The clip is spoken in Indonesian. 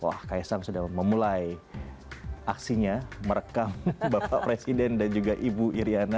wah kaisang sudah memulai aksinya merekam bapak presiden dan juga ibu iryana